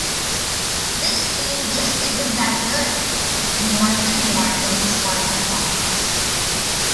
"This team just isn't that good", Morgan warned in his parting comments.